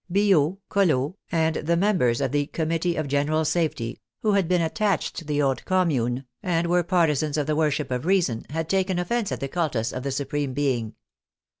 Bil laud, Collot, and the members of the " Committee of Gen eral Safety," who had been attached to the old Commune, and were partisans of the Worship of Reason, had taken offence at the cultus of the Supreme Being.